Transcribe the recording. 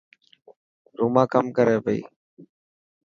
روما ڪم ڪري پئي.